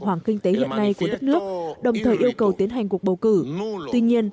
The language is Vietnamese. hoàng kinh tế hiện nay của đất nước đồng thời yêu cầu tiến hành cuộc bầu cử tuy nhiên